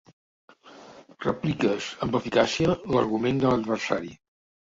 Repliques amb eficàcia l'argument de l'adversari.